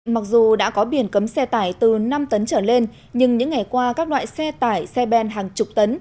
mặc dù đã có biển cấm xe tải từ năm tấn trở lên nhưng những ngày qua các loại xe tải xe ben hàng chục tấn